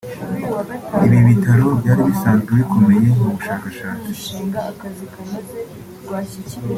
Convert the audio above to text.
Ibi bitaro byari bisanzwe bikomeye mu bushakashatsi